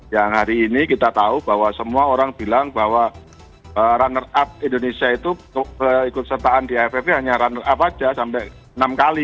yang hari ini kita tahu bahwa semua orang bilang bahwa runner up indonesia itu ikut sertaan di aff ini hanya runner up aja sampai enam kali